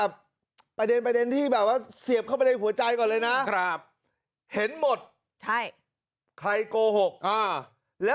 ประเด็นที่เสียบเข้าในหัวใจก่อนเลยนะ